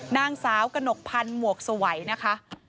นางสาวกระหนกพันธ์หมวกสวัยนะคะ